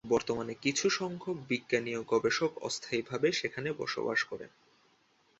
বর্তমানে শুধু কিছুসংখ্যক বিজ্ঞানী ও গবেষক অস্থায়ীভাবে সেখানে বসবাস করেন।